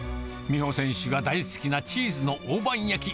美帆選手が大好きなチーズの大判焼き。